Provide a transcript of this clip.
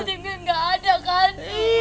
tidak ada kan